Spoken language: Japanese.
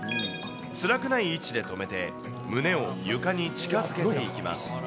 つらくない位置で止めて、胸を床に近づけていきます。